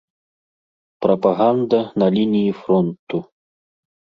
Прапаганда на лініі фронту.